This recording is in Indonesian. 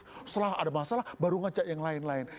setelah ada masalah baru ngajak yang lain lain